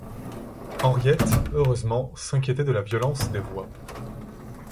Henriette, heureusement, s'inquiétait de la violence des voix.